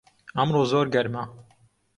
ئەمڕۆ زۆر گەرمە